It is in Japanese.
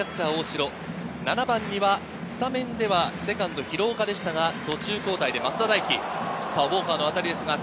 ７番にはスタメンでは廣岡でしたが、途中交代で増田大輝。